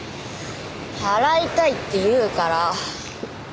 払いたいって言うから。